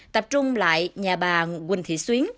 tập trung lại nhà bà quỳnh thị xuyến